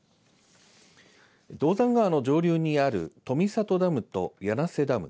銅山川の上流にある富郷ダムと柳瀬ダム